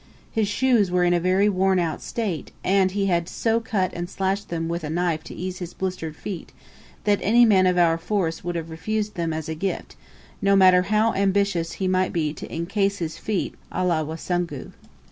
His shoes were in a very worn out state, and he had so cut and slashed them with a knife to ease his blistered feet, that any man of our force would have refused them as a gift, no matter how ambitious he might be to encase his feet a la Wasungu.